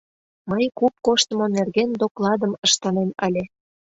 — Мый куп коштымо нерген докладым ыштынем ыле.